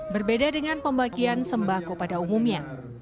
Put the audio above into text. berbeda dengan pembagian sembako pada umumnya